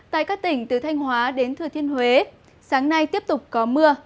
tại các tỉnh từ thanh hóa đến thừa thiên huế sáng nay tiếp tục có mưa